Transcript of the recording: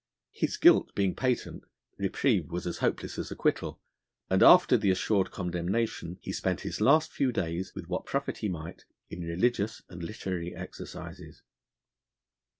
His guilt being patent, reprieve was as hopeless as acquittal, and after the assured condemnation he spent his last few days with what profit he might in religious and literary exercises.